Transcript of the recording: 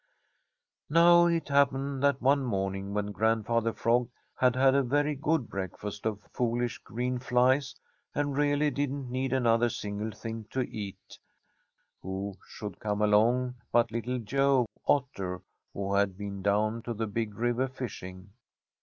Now it happened that one morning when Grandfather Frog had had a very good breakfast of foolish green flies and really didn't need another single thing to eat, who should come along but Little Joe Otter, who had been down to the Big River fishing.